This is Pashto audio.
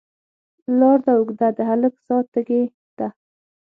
لار ده اوږده، د هلک ساه تږې ده